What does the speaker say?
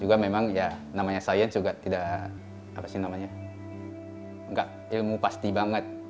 juga memang ya namanya sains juga tidak ilmu pasti banget